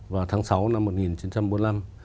vào tháng sáu năm một nghìn chín trăm bốn mươi năm